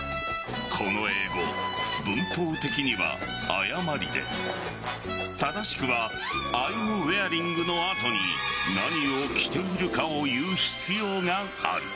この英語、文法的には誤りで正しくはＩ’ｍｗｅａｒｉｎｇの後に何を着ているのかを言う必要がある。